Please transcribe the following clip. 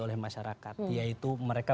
oleh masyarakat yaitu mereka